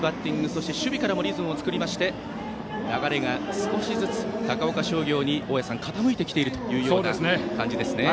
そして守備からもリズムを作りまして流れが少しずつ高岡商業に傾いてきている感じですね。